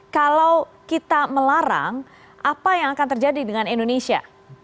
kalau kita melarang apa yang akan terjadi dengan indonesia